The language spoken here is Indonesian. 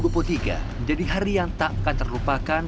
menjadi hari yang tak akan terlupakan